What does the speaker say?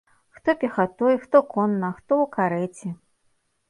Хто пехатой, хто конна, а хто ў карэце.